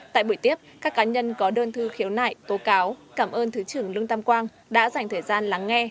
tại buổi tiếp các cá nhân có đơn thư khiếu nại tố cáo cảm ơn thứ trưởng lương tam quang đã dành thời gian lắng nghe